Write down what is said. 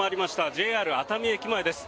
ＪＲ熱海駅前です。